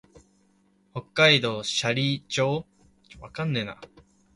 北海道斜里町